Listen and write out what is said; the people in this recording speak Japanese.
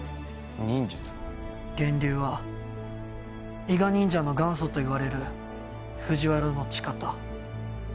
源流は伊賀忍者の元祖といわれる藤原千方。